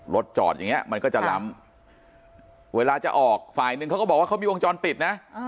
รถจอดอย่างนี้มันก็จะล้ำเวลาจะออกฝ่ายหนึ่งเขาก็บอกว่าเขามีวงจรปิดนะ